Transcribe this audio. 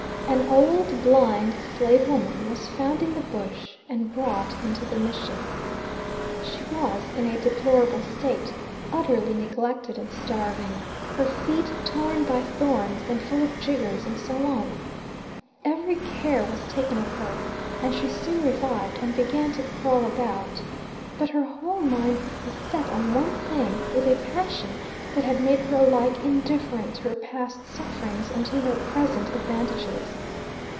An old blind slave woman was found in the bush, and brought into the mission. She was in a deplorable state, utterly neglected and starving, her feet torn by thorns and full of jiggers, and so on. Every care was taken of her and she soon revived and began to crawl about, but her whole mind was set on one thing with a passion that had made her alike indifferent to her past sufferings and to her present advantages.